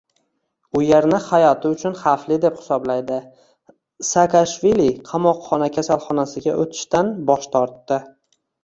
U yerni hayoti uchun xavfli deb hisoblaydi: Saakashvili qamoqxona kasalxonasiga o‘tishdan bosh tortdi